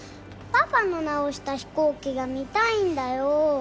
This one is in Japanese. パパの直した飛行機が見たいんだよ。